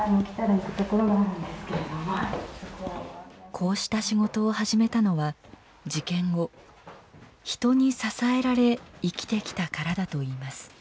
こうした仕事を始めたのは事件後人に支えられ生きてきたからだといいます。